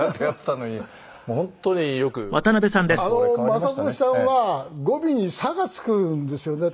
雅俊さんは語尾に「さ」が付くんですよね。